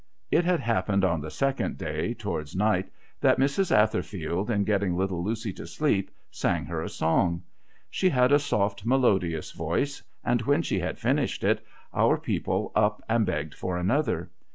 It had happened on the second day, towards night, that Mrs. Atherfield, in getting Little Lucy to sleep, sang her a song. She had a soft, melodious voice, and, when she had finished it, our people up and begged for another.